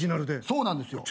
そうなんですよ。